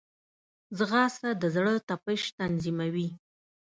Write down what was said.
ځغاسته د زړه تپش تنظیموي